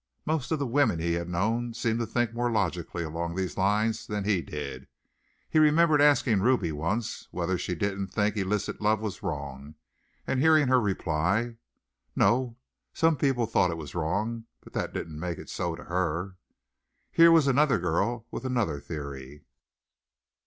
Most of the women he had known seemed to think more logically along these lines than he did. He remembered asking Ruby once whether she didn't think illicit love was wrong and hearing her reply, "No. Some people thought it was wrong, but that didn't make it so to her." Here was another girl with another theory.